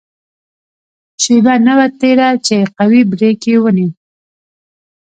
شېبه نه وه تېره چې قوي بریک یې ونیو.